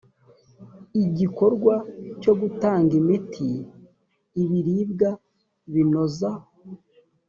igikorwa cyo gutanga imiti ibiribwa binoza